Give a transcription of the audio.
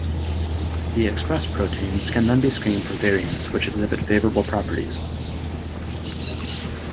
The expressed proteins can then be screened for variants which exhibit favourable properties.